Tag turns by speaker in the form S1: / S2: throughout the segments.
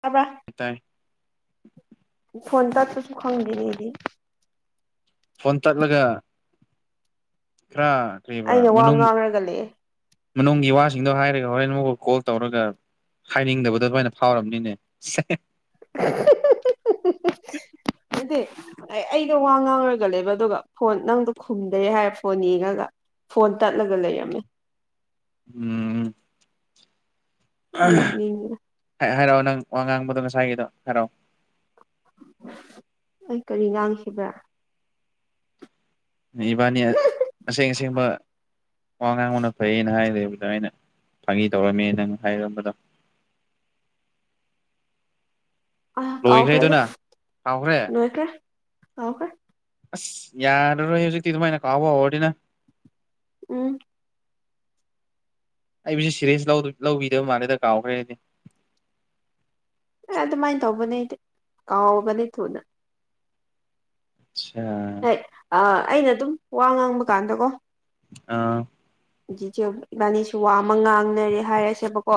S1: ꯇꯥꯕ꯭ꯔꯥ
S2: ꯇꯥꯏ
S1: ꯐꯣꯟ ꯇꯠꯄꯁꯨ ꯈꯪꯗꯦꯅꯦ ꯑꯩꯗꯤ
S2: ꯐꯣꯟ ꯇꯠꯂꯒ ꯈꯔ ꯀ꯭ꯔꯤꯕ
S1: ꯑꯩꯅ ꯋꯥ
S2: ꯃꯅꯨꯡ
S1: ꯉꯥꯡꯔꯒ ꯂꯩꯑꯦ
S2: ꯃꯅꯨꯡꯒꯤ ꯋꯥ ꯁꯤꯡꯗꯣ ꯍꯥꯏꯔꯒ ꯍꯣꯔꯦꯟ ꯃꯨꯛ ꯀꯣꯜ ꯇꯧꯔꯒ ꯍꯥꯏꯅꯤꯡꯗꯕꯗꯣ ꯑꯗꯨꯃꯥꯏꯅ ꯐꯥꯎꯔꯝꯅꯤꯅꯦ
S1: ꯅꯠꯇꯦ ꯑꯩ ꯑꯩꯗꯣ ꯋꯥ ꯉꯥꯡꯔꯒ ꯂꯩꯕ ꯑꯗꯨꯒ ꯐꯣꯟ ꯅꯪꯗꯣ ꯈꯨꯝꯗꯦ ꯍꯥꯏꯔꯦ ꯐꯣꯟ ꯌꯦꯡꯉꯒ ꯐꯣꯟ ꯇꯠꯂꯒ ꯂꯩꯔꯝꯃꯤ
S2: ꯎꯝ
S1: ꯅꯣꯛꯅꯤꯡꯉꯤꯗ
S2: ꯍꯥꯏꯔꯛꯑꯣ ꯅꯪ ꯋꯥ ꯉꯥꯡꯕꯗꯣ ꯉꯁꯥꯏꯒꯤꯗꯣ ꯍꯥꯏꯔꯛꯑꯣ
S1: ꯑꯩ ꯀꯔꯤ ꯉꯥꯡꯈꯤꯕ꯭ꯔꯥ
S2: ꯏꯕꯥꯅꯤ ꯑꯁꯦꯡ ꯑꯁꯦꯡꯕ ꯋꯥ ꯉꯥꯡꯕꯅ ꯐꯩꯌꯦꯅ ꯍꯥꯏꯔꯦꯕ ꯑꯗꯨꯃꯥꯏꯅ ꯐꯒꯤ ꯇꯧꯔꯝꯃꯦ ꯅꯪ ꯍꯥꯏꯔꯝꯕꯗꯣ
S1: ꯑ ꯀꯥꯎ ꯈꯔꯦꯗ
S2: ꯂꯣꯏꯈ꯭ꯔꯦꯗꯨꯅ ꯀꯥꯎꯈ꯭ꯔꯦ
S1: ꯂꯣꯏꯈ꯭ꯔꯦ ꯀꯥꯎꯈ꯭ꯔꯦ
S2: ꯑꯁ ꯌꯥꯔꯔꯣꯏ ꯍꯧꯖꯤꯛꯇꯤ ꯑꯗꯨꯃꯥꯏꯅ ꯀꯥꯎꯕ ꯍꯧꯔꯅꯤꯅ
S1: ꯎꯝ
S2: ꯑꯩꯕꯨꯁꯨ ꯁꯤꯔꯦꯁ ꯂꯧꯕꯤꯗꯕ ꯃꯥꯜꯂꯦꯗ ꯀꯥꯎꯈ꯭ꯔꯦ ꯍꯥꯏꯗꯤ
S1: ꯑꯗꯨꯃꯥꯏꯅ ꯇꯧꯕꯅꯦ ꯀꯥꯎꯒꯅꯤ ꯊꯨꯅ
S2: ꯑꯆꯥ
S1: ꯍꯣꯏ ꯑꯩꯅ ꯑꯗꯨꯝ ꯋꯥ ꯉꯥꯡꯕ ꯀꯥꯟꯗꯀꯣ
S2: ꯑꯥ
S1: ꯆꯤꯆꯦ ꯏꯕꯥꯅꯤꯁꯨ ꯋꯥꯃ ꯉꯥꯡꯅꯔꯦ ꯍꯥꯏꯔꯁꯦꯕꯀꯣ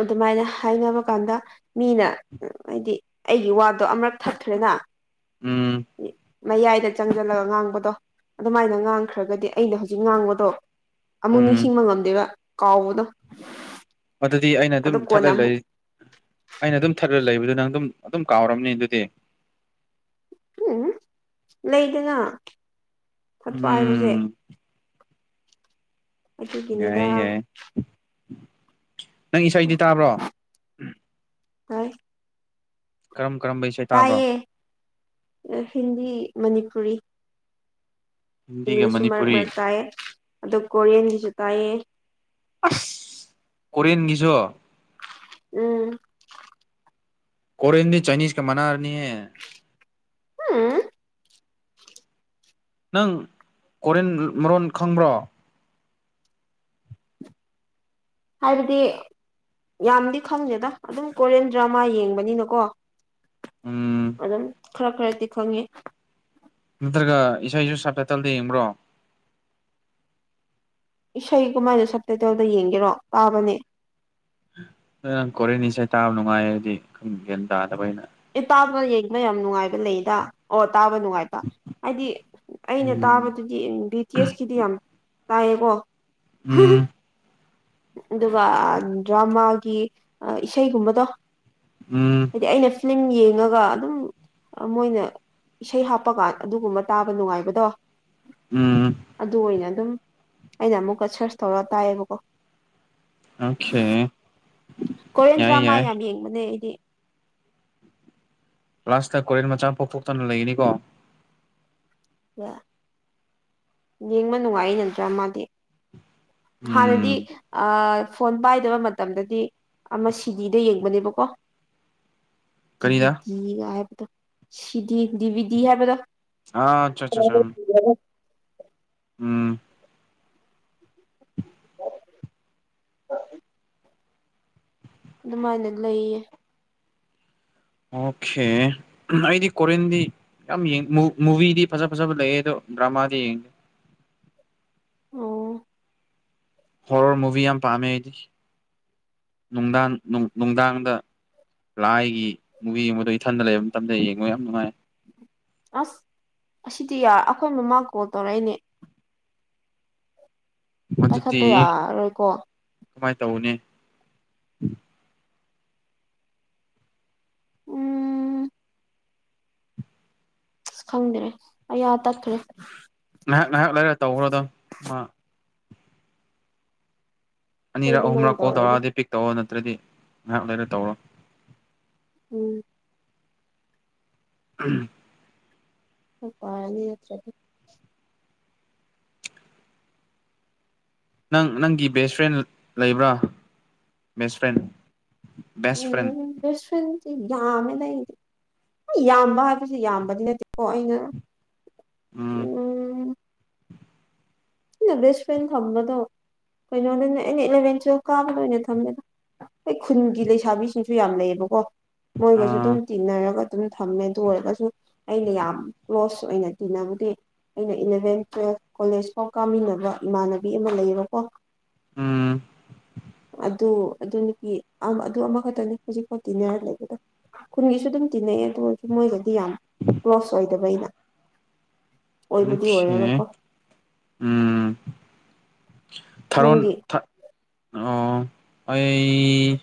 S1: ꯑꯗꯨꯃꯥꯏꯅ ꯍꯥꯏꯅꯕ ꯀꯥꯟꯗ ꯃꯤꯅ ꯍꯥꯏꯗꯤ ꯑꯩꯒꯤ ꯋꯥꯗꯣ ꯑꯃꯨꯔꯛ ꯊꯈ꯭ꯔꯦꯅ
S2: ꯎꯝ
S1: ꯃꯌꯥꯏꯗ ꯆꯪꯖꯜꯂꯒ ꯉꯥꯡꯕꯗꯣ ꯑꯗꯨꯃꯥꯏꯅ ꯉꯥꯡꯈ꯭ꯔꯒꯗꯤ ꯑꯩꯅ ꯍꯧꯖꯤꯛ ꯉꯥꯡꯕꯗꯣ ꯑꯃꯨꯛ
S2: ꯎꯝ
S1: ꯅꯤꯡꯁꯤꯡꯕ ꯉꯝꯗꯦꯕ ꯀꯥꯎꯕꯗꯣ
S2: ꯑꯗꯨꯗꯤ ꯑꯩꯅ ꯑꯗꯨꯝ
S1: ꯑꯗꯣ
S2: ꯊꯠꯂ
S1: ꯀꯣꯟꯅ ꯑꯃꯨꯛ
S2: ꯂꯩ ꯑꯩꯅ ꯑꯗꯨꯝ ꯊꯠ ꯈꯔ ꯂꯩꯕꯗꯨ ꯅꯪ ꯑꯗꯨꯝ ꯑꯗꯨꯝ ꯀꯥꯎꯔꯝꯅꯤ ꯑꯗꯨꯗꯤ
S1: ꯎꯝ ꯂꯩꯗꯅ ꯊꯠꯄꯕ ꯍꯥꯏꯕꯁꯦ
S2: ꯎꯝ
S1: ꯑꯗꯨꯒꯤꯅꯤꯗ
S2: ꯌꯥꯏ ꯌꯥꯏ ꯅꯪ ꯏꯁꯩꯗꯤ ꯇꯥꯕ꯭ꯔꯣ
S1: ꯇꯥꯏ
S2: ꯀꯝ
S1: ꯇꯥꯏꯌꯦ ꯍꯤꯟꯗꯤ ꯃꯅꯤꯄꯨꯔꯤ
S2: ꯍꯤꯟꯗꯤꯒ
S1: ꯏꯪꯂꯤꯁꯁꯨ ꯃꯔꯛ
S2: ꯃꯅꯤꯄꯨꯔꯤ
S1: ꯃꯔꯛ ꯇꯥꯏꯌꯦ ꯑꯗꯨ ꯀꯣꯔꯤꯌꯟꯒꯤꯁꯨ ꯇꯥꯏꯌꯦ
S2: ꯑꯁ ꯀꯣꯔꯦꯟꯒꯤꯁꯨ
S1: ꯎꯝ
S2: ꯀꯣꯔꯤꯌꯟꯗꯤ ꯆꯥꯏꯅꯤꯖ ꯀ ꯃꯅꯥꯔꯅꯤ ꯌꯦ
S1: ꯎꯝ
S2: ꯅꯪ ꯀꯣꯔꯤꯟ ꯃꯔꯣꯟ ꯈꯪꯕ꯭ꯔꯣ
S1: ꯍꯥꯏꯕꯗꯤ ꯌꯥꯝꯗꯤ ꯈꯪꯗꯦꯗ ꯑꯗꯨꯝ ꯀꯣꯔꯤꯌꯟ ꯗ꯭ꯔꯃꯥ ꯌꯦꯡꯕꯅꯤꯅꯀꯣ
S2: ꯎꯝ
S1: ꯑꯗꯨꯝ ꯈꯔ ꯈꯔꯗꯤ ꯈꯪꯉꯦ
S2: ꯅꯠꯇ꯭ꯔꯒ ꯏꯁꯩꯁꯨ ꯁꯕꯇꯥꯏꯇꯜꯗ ꯌꯦꯡꯕ꯭ꯔꯣ
S1: ꯏꯁꯩ ꯀꯃꯥꯏꯅ ꯁꯕꯇꯥꯏꯇꯜꯗ ꯌꯦꯡꯒꯦꯔꯣ ꯇꯥꯕꯅꯦ
S2: ꯅꯪ ꯀꯣꯔꯦꯟ ꯏꯁꯩ ꯇꯥꯕ ꯅꯨꯡꯉꯥꯏꯔꯗꯤ ꯒ꯭ꯌꯥꯟ ꯇꯥꯗꯕ ꯑꯩꯅ
S1: ꯑꯦ ꯇꯥꯕ ꯌꯦꯡꯕ ꯌꯥꯝ ꯅꯨꯡꯉꯥꯏꯕ ꯂꯩꯗ ꯑꯣ ꯇꯥꯕ ꯅꯨꯡꯉꯥꯏꯕ ꯍꯥꯏꯗꯤ ꯑꯩꯅ
S2: ꯎꯝ
S1: ꯇꯥꯕꯗꯨꯗꯤ ꯕꯤ ꯇꯤ ꯑꯦꯁꯀꯤꯗꯤ ꯌꯥꯝ ꯇꯥꯏꯌꯦꯀꯣ
S2: ꯎꯝ
S1: ꯑꯗꯨꯒ ꯗ꯭ꯔꯃꯥꯒꯤ ꯏꯁꯩꯒꯨꯝꯕꯗꯣ
S2: ꯎꯝ
S1: ꯐꯂꯝ ꯌꯦꯡꯉꯒ ꯑꯗꯨꯝ ꯃꯣꯏꯅ ꯏꯁꯩ ꯍꯥꯞꯄꯀꯥꯟ ꯑꯗꯨꯒꯨꯝꯕ ꯇꯥꯕ ꯅꯨꯡꯉꯥꯏꯕꯗꯣ
S2: ꯎꯝ
S1: ꯑꯗꯨ ꯑꯣꯏꯅ ꯑꯗꯨꯝ ꯑꯩꯅ ꯑꯃꯨꯛꯀ ꯁꯔꯁ ꯇꯧꯔ ꯇꯥꯏꯌꯦꯕꯀꯣ
S2: ꯑꯣꯀꯦ
S1: ꯀꯦꯟꯗ꯭ꯔ
S2: ꯌꯥꯏ
S1: ꯃꯥ
S2: ꯌꯥꯏ
S1: ꯌꯥꯝ ꯌꯦꯡꯕꯅꯦ ꯑꯩꯗꯤ
S2: ꯀ꯭ꯂꯥꯁ ꯀꯦꯟ ꯃꯆꯥ ꯄꯣꯛꯊꯣꯛꯇꯅ ꯂꯩꯅꯤꯀꯣ
S1: ꯑ ꯌꯦꯡꯕ ꯅꯨꯡꯉꯥꯏ ꯅꯠꯇ꯭ꯔꯥ ꯃꯥꯗꯤ ꯍꯥꯟꯅꯗꯤ
S2: ꯎꯝ
S1: ꯑ ꯐꯣꯟ ꯄꯥꯏꯗꯕ ꯃꯇꯝꯗꯗꯤ ꯑꯃ ꯁꯤꯗꯤꯗ ꯌꯦꯡꯕꯅꯦꯕꯀꯣ
S2: ꯀꯔꯤꯗ
S1: ꯕꯤꯗꯤ ꯍꯥꯏꯕꯗ ꯁꯤꯗꯤ ꯗꯤꯕꯤꯗꯤ ꯍꯥꯏꯕꯗ
S2: ꯑ ꯑꯆꯥ ꯑꯆꯥ ꯎꯝ
S1: ꯑ ꯑꯗꯨꯃꯥꯏꯅ ꯂꯩꯌꯦ
S2: ꯑꯣꯀꯦ ꯑꯩꯗꯤ ꯀꯔꯤꯦꯟꯗꯤ ꯌꯥꯝꯡ ꯃꯨꯚꯤꯗꯤ ꯐꯖ ꯐꯖꯕ ꯂꯩꯌꯦ ꯑꯗꯣ ꯭ꯔꯃꯗꯤ ꯌꯦ
S1: ꯑꯣ
S2: ꯍꯣꯔꯣꯔ ꯃꯨꯚꯤ ꯌꯥꯝ ꯄꯥꯝꯃꯦ ꯑꯩꯗꯤ ꯅꯨꯡꯗꯥꯡꯅꯨꯡ ꯅꯨꯡꯗꯥꯡꯗ ꯂꯥꯏꯒꯤ ꯃꯨꯕꯤ ꯌꯦꯡꯕꯗꯣ ꯏꯊꯟꯗ ꯂꯩꯕ ꯃꯇꯝꯗ ꯌꯦꯡꯉꯨ ꯌꯥꯝ ꯅꯨꯡꯉꯥꯏ
S1: ꯑꯁ ꯑꯁꯤꯗꯤꯔ ꯑꯩꯈꯣꯏ ꯃꯃꯥ ꯀꯣꯜ ꯇꯧꯔꯛꯏꯅꯦ ꯄꯥꯏꯈꯠꯄ ꯌꯥꯔꯣꯏꯀꯣ
S2: ꯀꯃꯥꯏꯅ ꯇꯧꯧꯕꯅꯦ
S1: ꯎꯝ ꯑ ꯈꯪꯗ꯭ꯔꯦ ꯑ ꯑ ꯇꯠꯈ꯭ꯔꯦ
S2: ꯉꯥꯏꯍꯥꯛ ꯉꯥꯏꯍꯥꯛ ꯂꯩꯔ ꯇꯧꯈ꯭ꯔꯗꯣ ꯃꯥ
S1: ꯍꯣꯏ
S2: ꯑꯅꯤꯔꯛ
S1: ꯑꯗꯨꯃꯥꯏꯅ
S2: ꯑꯍꯨꯝꯔꯛ ꯀꯣꯜ
S1: ꯇꯧꯔꯒꯦ
S2: ꯇꯧꯔꯛꯑꯗꯤ ꯄꯤꯛ ꯇꯧꯔ ꯅꯠꯇ꯭ꯔꯗꯤ ꯉꯥꯏꯍꯥꯛ ꯂꯩꯔ ꯇꯧꯔꯣ
S1: ꯎꯝ
S2: ꯎꯝ
S1: ꯄꯅꯤꯠꯇꯗꯤ
S2: ꯅꯪ ꯅꯪꯒꯤ ꯕꯦꯁ ꯐ꯭ꯔꯦꯟ ꯂꯩꯕ꯭ꯔꯥ ꯕꯦꯁ ꯐ꯭ꯔꯦꯟ ꯕꯦꯁ ꯐ꯭ꯔꯦꯟ
S1: ꯎꯝ ꯁ ꯌꯥꯝꯃꯦꯅ ꯑꯩꯗꯤ ꯌꯥꯝꯕ ꯍꯥꯏꯕꯕꯁꯤ ꯌꯥꯝꯕꯗꯤ ꯅꯠꯇꯦꯀꯣ ꯑꯩꯅ ꯎꯝ ꯁꯤꯗ ꯕꯦꯁ ꯐ꯭ꯔꯦꯟ ꯊꯝꯕꯗꯣ ꯀꯩꯅꯣ ꯅ ꯑꯦꯅꯤ ꯏꯂꯚꯦꯟ ꯇꯨꯋꯦꯜ ꯀꯥꯕꯗ ꯑꯣꯏꯅ ꯊꯝꯃꯦꯗ ꯍꯣꯏ ꯈꯨꯟꯒꯤ ꯂꯩꯁꯥꯕꯤꯁꯤꯡꯁꯨ ꯌꯥꯝ ꯂꯩꯌꯦꯕꯀꯣ ꯃꯣꯏꯒꯁꯨ
S2: ꯑꯥ
S1: ꯑꯗꯨꯝ ꯇꯤꯟꯅꯔꯒ ꯑꯗꯨꯝ ꯊꯝꯃꯦ ꯑꯗꯨ ꯑꯣꯏꯔꯒꯁꯨ ꯑꯩꯅ ꯌꯥꯝ ꯀ꯭ꯂꯣꯁ ꯑꯣꯏꯅ ꯇꯤꯟꯅꯕꯨꯗꯤ ꯑꯩꯅ ꯏꯂꯚꯦꯟ ꯇꯨꯋꯦꯜꯐ ꯀꯣꯂꯦꯖ ꯐꯥꯎ ꯀꯥꯃꯤꯟꯅꯕ ꯏꯃꯥꯟꯅꯕꯤ ꯑꯃ ꯂꯩꯌꯦꯕꯀꯣ
S2: ꯎꯝ
S1: ꯑꯗꯨ ꯑꯗꯨꯅꯄꯤ ꯑꯗꯨ ꯑꯃꯈꯛꯇꯅꯦ ꯍꯧꯖꯤꯛꯐꯥꯎ ꯇꯤꯟꯅꯔ ꯂꯩꯕꯗ ꯈꯨꯟꯒꯤꯁꯨ ꯑꯗꯨꯝ ꯇꯤꯟꯅꯩꯌꯦ ꯑꯗꯨ ꯑꯣꯏꯔꯁꯨ ꯃꯣꯏꯗꯗꯤ ꯌꯥꯝ ꯀ꯭ꯂꯣꯁ ꯑꯣꯏꯗꯕ ꯑꯩꯅ ꯑꯣꯏꯕꯨꯗꯤ
S2: ꯃꯁꯦ
S1: ꯑꯣꯏꯔꯒꯀꯣ
S2: ꯎꯝ ꯊꯔꯣꯟ
S1: ꯅꯪꯗꯤ
S2: ꯑꯣ ꯑꯩ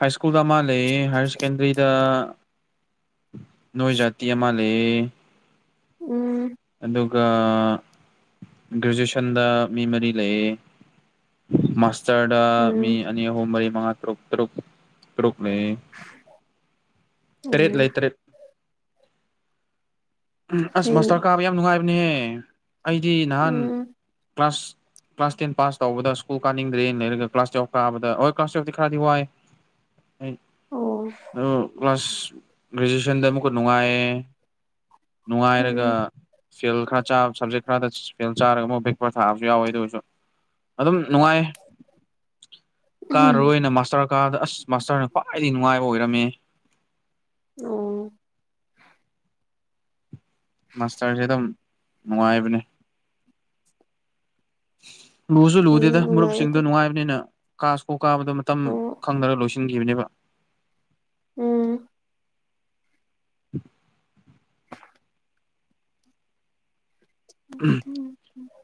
S2: ꯍ ꯁꯀꯨꯜꯗ ꯃꯥ ꯂꯩ ꯍꯥꯏꯔ ꯁꯦꯀꯦꯟꯗꯔꯤꯗ ꯅꯣꯏꯖꯥꯇꯤ ꯑꯃꯂꯦ
S1: ꯎꯝ
S2: ꯑꯗꯨ ꯑꯗꯨꯒ ꯒ꯭ꯔꯦꯖꯨꯑꯦꯁꯟꯗ ꯃꯤ ꯃꯔꯤ ꯂꯩꯌꯦ ꯃꯥꯁ ꯆꯗꯥ ꯃꯤ
S1: ꯎꯝ
S2: ꯑꯅꯤ ꯍꯍꯣ ꯃꯔꯤ ꯃꯉ ꯇꯨ ꯇꯨ ꯇꯨꯛꯂꯤ ꯇꯔꯦꯠ
S1: ꯎꯝ
S2: ꯂꯩ ꯇꯔꯦꯠ ꯎꯝ ꯑꯁ
S1: ꯐꯩꯅꯦ
S2: ꯃꯥꯁꯇꯔ ꯀꯥꯕ ꯌꯥꯝ ꯅꯨꯡꯉꯥꯏꯕꯅꯦꯍꯦ ꯑꯩꯗꯤ ꯅꯍꯥꯟ
S1: ꯎꯝ
S2: ꯀ꯭ꯂꯥꯁ ꯀ꯭ꯂꯥꯁ ꯇꯦꯟ ꯄꯥꯁ ꯇꯧꯕꯗ ꯁ꯭ꯀꯨꯜ ꯀꯥꯅꯤꯡꯗ꯭ꯔꯦ ꯂꯩꯔꯒ ꯀ꯭ꯂꯥꯁ ꯇꯨꯌꯦꯜꯞ ꯀꯥꯕꯗ ꯍꯣꯏ ꯀ꯭ꯂꯥꯁ ꯇꯨꯌꯦꯜꯤ ꯈꯔꯗꯤ ꯋꯥꯏ [inaudible]
S1: ꯑꯣ
S2: ꯑꯗꯨ ꯀ꯭ꯂꯥꯁ ꯒ꯭ꯔꯦꯖꯨꯋꯦꯁꯟꯗ ꯑꯃꯨꯛꯀ ꯅꯨꯡꯉꯥꯏ
S1: ꯎꯝ
S2: ꯅꯨꯡꯉꯥꯏꯔꯒ ꯐꯦꯜ ꯈꯔ ꯆꯥꯕ ꯁꯕꯖꯦꯛ ꯈꯔꯗ ꯐꯦꯜ ꯆꯥꯔꯒ ꯑꯃ ꯕꯦꯛ ꯄꯦꯄꯔ ꯊꯥꯕꯁꯨ ꯌꯥꯎꯋꯦ ꯑꯗꯨ ꯑꯣꯏꯁꯨ ꯑꯗꯨꯝ ꯅꯨꯡꯉꯥꯏ
S1: ꯎꯝ
S2: ꯀꯥꯔꯔꯣꯏꯅ ꯃꯥꯁꯇꯔ ꯀꯥꯗ ꯑꯁ ꯃꯥꯁꯇꯔꯅ ꯈ꯭ꯋꯥꯏꯗꯩ ꯅꯨꯡꯉꯥꯏꯕ ꯑꯣꯏꯔꯝꯃꯦ
S1: ꯑꯣ
S2: ꯃꯥꯁꯇꯔꯁꯦ ꯑꯗꯨꯝ ꯅꯨꯡꯉꯥꯏꯕꯅꯦ ꯂꯨꯁꯨ
S1: ꯁꯤꯗꯤ
S2: ꯂꯨꯗꯦꯗ ꯃꯔꯨꯞꯁꯤꯡꯗꯨ
S1: ꯅꯨꯡꯉꯥꯏꯔꯗꯤ
S2: ꯅꯨꯡꯉꯥꯏꯕꯅꯤꯅ ꯀꯥꯁꯐꯧ ꯀꯥꯕꯗ ꯃꯇꯝ
S1: ꯑꯣ
S2: ꯈꯪꯗꯔꯒ ꯂꯣꯏ ꯈꯤꯕꯅꯦꯕ
S1: ꯎꯝ
S2: [inaudible]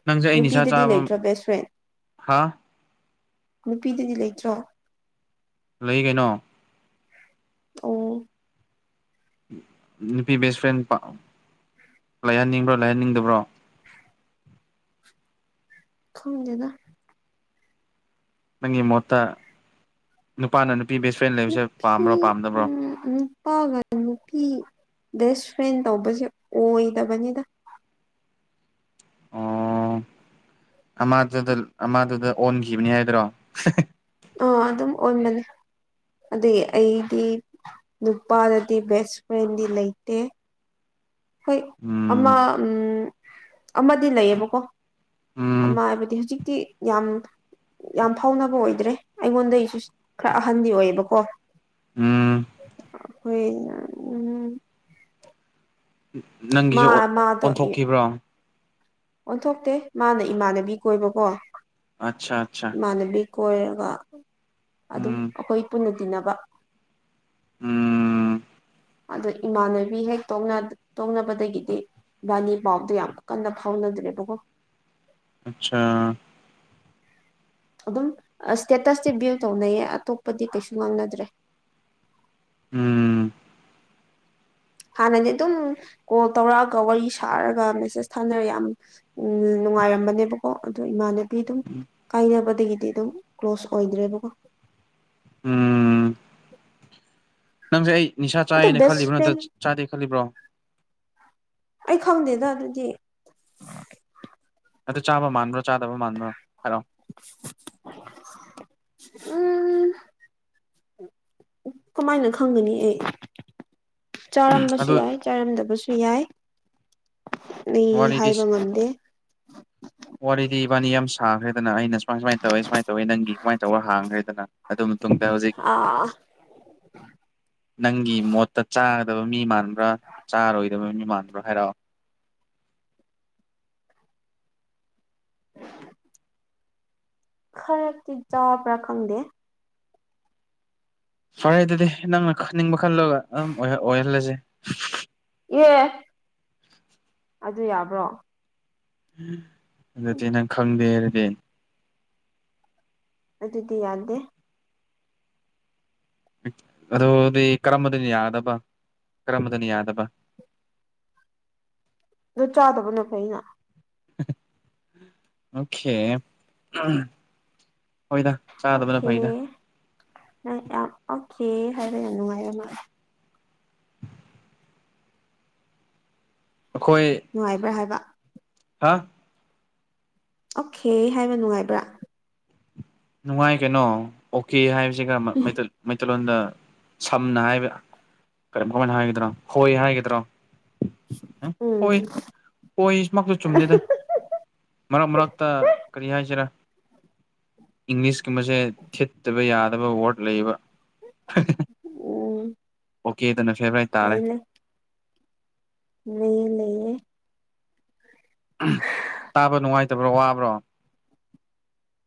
S2: ꯅꯪꯁꯦ ꯑꯩ ꯅꯤꯁꯥ
S1: ꯅꯨꯄꯤꯗꯗꯤ
S2: ꯆꯥꯕ
S1: ꯂꯩꯇ꯭ꯔꯣ ꯕꯦꯁ ꯐ꯭ꯔꯦꯟ
S2: ꯍꯥ
S1: ꯅꯨꯄꯤꯗꯗꯤ ꯂꯩꯇ꯭ꯔꯣ
S2: ꯂꯩ ꯀꯩꯅꯣ
S1: ꯑꯣ
S2: ꯅꯨꯄꯤ ꯕꯦꯁ ꯐ꯭ꯔꯦꯟ ꯄꯥꯝ ꯂꯩꯍꯟꯅꯤꯡꯕ꯭ꯔꯣ ꯂꯩꯍꯟꯅꯤꯡꯗꯕ꯭ꯔꯣ
S1: ꯈꯪꯗꯦꯗ
S2: ꯅꯪꯒꯤ ꯃꯣꯠꯇ ꯅꯨꯄꯥꯅ ꯅꯨꯄꯤ ꯕꯦꯁ ꯐ꯭ꯔꯦꯟ ꯂꯩꯕꯁꯦ
S1: ꯅꯨꯄꯤ
S2: ꯄꯥꯝꯕ꯭ꯔꯣ ꯄꯥꯝꯗꯕ꯭ꯔꯣ
S1: ꯎꯝ ꯅꯨꯄꯥꯒ ꯅꯨꯄꯤ ꯕꯦꯁ ꯐ꯭ꯔꯦꯟ ꯇꯧꯕꯁꯦ ꯑꯣꯏꯗꯕꯅꯤꯗ
S2: ꯑꯣ ꯑꯃꯗꯨꯗ ꯑꯃꯥꯗꯨꯗ ꯑꯣꯟꯈꯤꯕꯅꯤ ꯍꯥꯏꯗ꯭ꯔꯣ
S1: ꯑ ꯑꯗꯨꯝ ꯑꯣꯟꯕꯅꯦ ꯑꯗꯒꯤ ꯑꯩꯗꯤ ꯅꯨꯄꯥꯗꯗꯤ ꯕꯦꯁ ꯐ꯭ꯔꯦꯟꯗꯤ ꯂꯩꯇꯦ ꯍꯣꯏ ꯑꯃ
S2: ꯎꯝ
S1: ꯑꯃꯗꯤ ꯂꯩꯌꯦꯕꯀꯣ
S2: ꯎꯝ
S1: ꯑꯃ ꯍꯥꯏꯕꯗꯤ ꯍꯧꯖꯤꯛꯇꯤ ꯌꯥꯝ ꯌꯥꯝ ꯐꯥꯎꯅꯕ ꯑꯣꯏꯗ꯭ꯔꯦ ꯑꯩꯉꯣꯟꯗꯗꯒꯤꯁꯨ ꯈꯔ ꯑꯍꯟꯗꯤ ꯑꯣꯏꯌꯦꯕꯀꯣ
S2: ꯎꯝ
S1: ꯍꫭꯏꯅ ꯎꯝ ꯃꯥ
S2: ꯅꯪꯒꯤꯁꯨ
S1: ꯃꯥꯗꯣ
S2: ꯑꯣꯟꯊꯣꯛꯈꯤꯕ꯭ꯔꯣ
S1: ꯑꯣꯟꯊꯣꯛꯇꯦ ꯃꯥꯅ ꯏꯃꯥꯟꯅꯕꯤ ꯀꯣꯏꯕꯀꯣ
S2: ꯑꯠꯁꯥ ꯑꯠꯁꯥ
S1: ꯏꯃꯥꯟꯅꯕꯤ ꯀꯣꯏꯔꯒ ꯑꯗꯨꯝ ꯑꯩꯈꯣꯏ ꯄꯨꯟꯅ ꯇꯤꯟꯅꯕ
S2: ꯎꯝ
S1: ꯑꯗ ꯏꯃꯥꯟꯅꯕꯤ ꯍꯦꯛ ꯇꯣꯡꯅꯕꯗꯒꯤꯗꯤ ꯏꯕꯥꯅꯤ ꯄꯥꯎꯗꯣ ꯌꯥꯝ ꯀꯟꯅ ꯐꯥꯎꯅ ꯗ꯭ꯔꯦꯕꯀꫭ
S2: ꯑꯠꯁꯥ
S1: ꯑꯗꯨꯝ ꯑ ꯁꯇꯦꯇꯁꯇꯤ ꯚ꯭ꯌꯨ ꯇꯧꯅꯩꯌꯦ ꯑꯇꯣꯞꯄꯗꯤ ꯀꯩꯁꯨ ꯉꯥꯡꯅꯗ꯭ꯔꯦ
S2: ꯎꯝ
S1: ꯍꯥꯟꯅꯗꯤ ꯑꯗꯨꯝ ꯀꯣꯜ ꯇꯧꯔꯛꯑꯒ ꯋꯥꯔꯤ ꯁꯥꯔꯒ ꯃꯦꯁꯦꯁ ꯊꯥꯅꯔ ꯌꯥꯝ ꯎꯝ ꯅꯨꯡꯉꯥꯏꯔꯝꯕꯅꯦꯕꯀꯣ ꯑꯗꯨ ꯏꯃꯥꯅ ꯕꯤ ꯗꯨꯝ ꯀꯥꯏꯅꯕꯗꯒꯤꯗꯤ ꯑꯗꯨꯝ ꯀ꯭ꯂꯣꯁ ꯑꯣꯏꯗ꯭ꯔꯦꯕꯀꯣ
S2: ꯎꯝ ꯅꯪꯁꯦ ꯑꯩ ꯅꯤꯁꯥ
S1: ꯑꯗꯣ
S2: ꯆꯥꯏꯅ
S1: ꯕꯦꯁ
S2: ꯈꯜꯂꯤꯕ꯭ꯔꯣ ꯅꯠꯇ꯭ꯔ
S1: ꯐ꯭ꯔꯦꯟ
S2: ꯆꯥꯗꯦ ꯈꯜꯂꯤꯕ꯭ꯔꯣ
S1: ꯑꯩ ꯈꯪꯗꯦꯗ ꯑꯗꯨꯗꯤ
S2: ꯑꯗꯨ ꯆꯥꯕ ꯃꯥꯟꯕ꯭ꯔꯣ ꯆꯥꯗꯕ ꯃꯥꯟꯕ꯭ꯔꯣ ꯍꯥꯏꯔꯑꫭ
S1: ꯎꯝ ꯀꯃꯥꯏꯅ ꯈꯪꯒꯅꯤ ꯑꯩ ꯆꯥꯔꯝꯕꯁꯨ
S2: ꯑꯗꯨ
S1: ꯌꯥꯏ ꯆꯥꯔꯝꯗꯕꯁꯨ ꯌꯥꯏ ꯑꯩ
S2: ꯋꯥꯔꯤꯗꯤ
S1: ꯍꯥꯏꯕ ꯉꯝꯗꯦ
S2: ꯋꯥꯔꯤꯗꯤ ꯏꯕꯥꯅꯤ ꯌꯥꯝ ꯁꯥꯈ꯭ꯔꯦꯗꯅ ꯑꯩꯅ ꯁꯨꯃꯥꯏ ꯁꯨꯃꯥꯏꯅ ꯇꯧꯋꯤ ꯁꯨꯃꯥꯏꯅ ꯇꯧꯋꯤ ꯅꯪꯒꯤ ꯁꯨꯃꯥꯏꯅ ꯇꯧꯔ ꯍꯥꯡꯈ꯭ꯔꯦꯗꯅ ꯑꯗꯨ ꯃꯇꯨꯡꯗ ꯍꯧꯖꯤꯛ
S1: ꯑꯥ
S2: ꯅꯪꯒꯤ ꯃꯣꯠꯇ ꯆꯥ ꯆꯗꯕ ꯃꯤ ꯃꯥꯟꯕ꯭ꯔꯥ ꯆꯥꯔꯣꯏꯗꯕ ꯃꯤ ꯃꯥꯟꯕ꯭ꯔꯥ ꯍꯥꯏꯔꯛꯑꯣ
S1: [inaudible] ꯈꯔꯛꯇꯤ ꯆꯥꯎꯕ꯭ꯔꯥ ꯈꯪꯗꯦ
S2: ꯐꯔꯦ ꯑꯗꯨꯗꯤ ꯅꯪꯅ ꯈꯅꯤꯡꯕ ꯈꯜꯂꯒ ꯑꯗꯨꯝ ꯑꯣꯏꯍꯜꯂꯁ
S1: ꯑꯦ ꯑꯗꯨ ꯌꯥꯕ꯭ꯔꯣ
S2: ꯑꯗꯨꯗꯤ ꯅꯪ ꯈꯪꯗꯦꯔꯗꯤ
S1: ꯑꯗꯨꯗꯤ ꯌꯥꯗꯦ
S2: ꯑꯗꯨꯗꯤ ꯀꯔꯝꯕꯗꯅ ꯌꯥꯗꯕ ꯀꯔꯝꯕꯗꯅ ꯌꯥꯗꯕ [inaudible]
S1: ꯑ ꯆꯥꯗꯕꯅ ꯀꯩꯅ
S2: ꯑꯣꯀꯦ ꯍꯣꯏꯗ ꯆꯥꯗꯕꯅ
S1: ꯑꯣꯀꯦ
S2: ꯐꯩꯗ
S1: ꯌꯥꯝ ꯑꯣꯀꯦ ꯍꯥꯏꯕ ꯌꯥꯝ ꯅꯨꯡꯉꯥꯏꯔꯦ ꯃꯥ
S2: ꯑꯩꯈꯣꯏ
S1: ꯅꯨꯡꯉꯥꯏꯕ꯭ꯔꯥ ꯍꯥꯏꯕ
S2: ꯍꯥ
S1: ꯑꯣꯀꯦ ꯍꯥꯏꯕ ꯅꯨꯡꯉꯥꯏꯕ꯭ꯔꯥ
S2: ꯅꯨꯡꯉꯥꯏ ꯀꯩꯅꯣ ꯑꯣꯀꯦ ꯍꯥꯏꯕꯁꯤꯒ ꯆꯂꯂꯣꯟꯗ ꯁꯝꯅ ꯍꯥꯏꯕ ꯀꯔꯤꯝ ꯀꯃꯥꯏꯅ ꯍꯥꯏꯒꯗ꯭ꯔꯣ ꯍꯣꯏ ꯍꯥꯏꯒꯗ꯭ꯔꯣ
S1: ꯎꯝ
S2: ꯍꯣꯏ ꯍꯣꯏ ꯏꯁꯃꯛꯇ ꯆꯨꯝꯗꯦꯗ ꯃꯔꯛ ꯃꯔꯛꯇ ꯀꯔꯤ ꯍꯥꯏꯁꯤꯔꯥ ꯏꯪꯂꯤꯁꯀꯨꯝꯕꯁꯦ ꯊꯦꯠꯇꯕ ꯌꯥꯗꯕ ꯋꯥꯔꯗ ꯂꯩꯌꯦꯕ
S1: ꯎꯝ [inaudible]
S2: ꯑꯣꯀꯦ ꯑꯗꯨꯅ ꯐꯦꯚꯏ ꯇꯥꯔꯦ
S1: ꯅ ꯂꯩꯌꯦ
S2: ꯇꯥꯕ ꯅꯨꯡꯉꯥꯏꯇꯕ꯭ꯔꯣ ꯋꯥꯕ꯭ꯔꯣ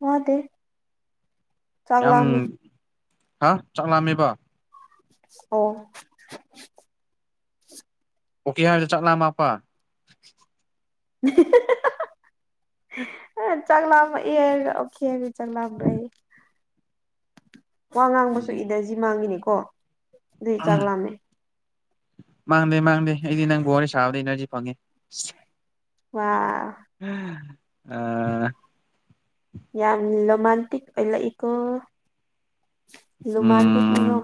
S1: ꯃꯥꯗꯤ
S2: ꯌꯥꯝ
S1: ꯆꯒꯂꯃꯤ
S2: ꯍꯥ ꯆꯠꯂꯝꯑꯃꯤꯕ
S1: ꯑꯣ [inaudible]
S2: ꯄꯨꯀꯤꯦ [inaudible] ꯍꯔꯂ ꯆꯠꯂ ꯑꯃꯄ
S1: [unintelligible] [inaudible] ꯑ ꯆꯪꯂꯝ ꯏ ꯑꯣꯔ ꯆꯪꯂꯝ ꯂꯩꯏ ꯋꯥ ꯉꯥꯡꯕꯁꯨ
S2: ꯎꯝ
S1: ꯏꯗꯖꯤ ꯃꯥꯡꯈꯤꯅꯤꯀꯣ ꯑꯗꯨꯏ ꯆꯥꯛ ꯂꯥꯝꯃꯦ
S2: ꯃꯥꯡꯗꯦ ꯃꯥꯡꯗꯦ ꯑꯩꯗꯤ ꯅꯪ ꯒ ꯋꯥꯔꯤ ꯁꯥꯕꯗ ꯏꯅꯔꯖꯤ ꯐꯪꯉꯦ ꯑ
S1: ꯋꯥ [inaudible]
S2: ꯑ [inaudible]
S1: ꯌꯥꯝ ꯔꯣꯃꯟꯇꯤꯛ ꯑꯣꯏ ꯂꯥꯛ ꯏꯏꯀꯣ ꯔꯨꯃꯥꯟ ꯄꯤꯛꯣ
S2: ꯎꯝ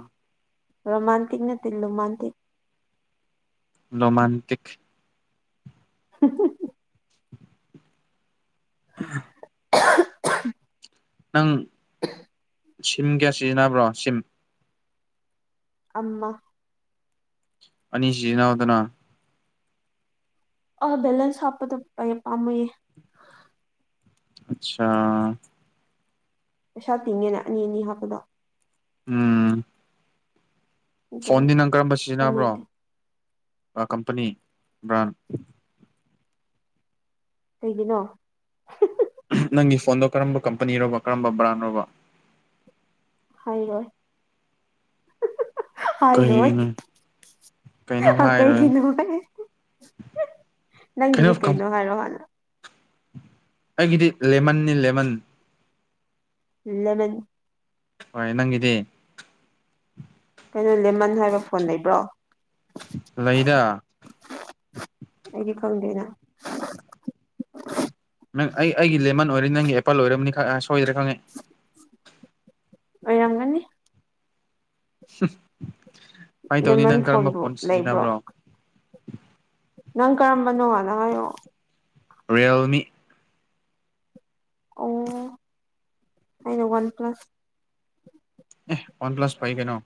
S1: ꯔꯣꯃꯥꯟꯇꯛ ꯅ ꯂꯣꯃꯥꯟꯇꯤꯛ
S2: ꯔꯣꯃꯥꯟꯇꯛ
S1: [unintelligible] [inaudible]
S2: ꯑ [inaudible] ꯅꯪ ꯁꯤꯝ ꯀꯌꯥ ꯁꯤꯖꯤꯟꯅꯕ꯭ꯔꯣ ꯁꯤꯝ
S1: ꯑꯃ
S2: ꯑꯅꯤꯁꯤꯖꯤꯅꯥꯎꯗꯅ
S1: ꯑ ꯦꯂꯦꯟꯁ ꯍꯥꯞꯄꯗꯌꯦ ꯄꯥꯝꯃꯌꯦꯦ
S2: ꯑꯆꯥꯆꯥ
S1: ꯄꯩꯁꯥ ꯇꯤꯡꯉꯦꯅ ꯑꯅꯤ ꯑꯅꯤ ꯍꯥꯞꯄꯗꯣ
S2: ꯎꯝ
S1: ꯑꯗꯨꯅ
S2: ꯐꯣꯟꯗꯤ ꯅꯪ ꯀꯔꯝꯕ ꯁꯤꯖꯤꯟꯅꯕ꯭ꯔꯣ
S1: ꯀꯥꯟꯅꯗꯦ
S2: ꯀꯝꯄꯅꯤ ꯕ꯭ꯔꯥꯟ
S1: ꯀꯒꯤꯅꯣ
S2: ꯅꯪꯒꯤ ꯐꯣꯟꯗꯣ ꯀꯔꯝꯕ ꯀꯝꯄꯅꯤꯔꯣꯕ ꯀꯔꯝꯕ ꯕ꯭ꯔꯥꯟ ꯔꯣꯕ
S1: ꯍꯥꯏꯔꯣꯏ ꯍꯥꯏꯔꯣꯏ
S2: ꯀꯩꯅꯣ ꯀꯩꯅꯣ ꯍꯥꯏꯔꯣꯏ
S1: ꯀꯩꯒꯤꯅꯣꯦ
S2: ꯀꯩꯅꯣ
S1: ꯅꯪꯤꯗꯤ
S2: ꯀꯝ
S1: ꯀꯩꯩꯅꯣ ꯍꯥꯏꯔꯣꯂ
S2: ꯑꯩꯒꯤꯗꯤ ꯂꯦꯃꯟꯅꯤ ꯂꯦꯃꯟ
S1: ꯏꯂꯅꯦ
S2: ꯍꯣꯏ ꯅꯪꯗꯤ
S1: ꯀꯩꯅꯣ ꯂꯦꯃꯟ ꯍꯥꯏꯕ ꯐꯣꯟ ꯂꯩꯕ꯭ꯔꯣ
S2: ꯂꯩꯗ
S1: ꯑꯩꯒꯤ ꯀꯗꯦꯅ
S2: ꯅꯪ ꯑꯩ ꯑꯩꯒꯤ ꯂꯦꯃꯟ ꯑꯣꯏꯔꯅꯤ ꯅꯪꯒꯤ ꯑꯦꯄꯜ ꯑꯣꯏꯝꯅꯤ ꯈ ꯁꯣꯏꯗ꯭ꯔꯥ ꯈꯪꯉꯦ [unintelligible]
S1: ꯑꯣꯏꯔꯝꯒꯅꯤ
S2: ꯀꯃꯥꯏꯅ ꯇꯧꯅꯤ
S1: ꯂꯦꯃꯟ
S2: ꯅꯪ ꯀꯔꯝꯕ
S1: ꯐꯣꯟꯕꯨ
S2: ꯐꯣꯟ
S1: ꯂꯩꯕ꯭ꯔꯣ
S2: ꯁꯤꯖꯤꯟꯅꯕ꯭ꯔꯣ
S1: ꯅꯪ ꯀꯔꯝꯕꯅꯣꯉꯅꯪ ꯍꯥꯏꯌꯣ
S2: ꯔꯤꯌꯦꯜꯃꯤ
S1: ꯑꯣ ꯑꯩꯩꯅ ꯋꯥꯟ ꯄ꯭ꯂꯥꯁ
S2: ꯐꯒꯅꯣ